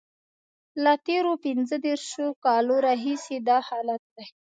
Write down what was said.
له تېرو پنځه دیرشو کالو راهیسې دا حالت دی.